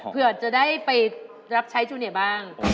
เผื่อจะได้ไปรับใช้จูเนียบ้าง